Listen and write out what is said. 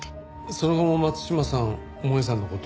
その後も松島さん萌絵さんの事を？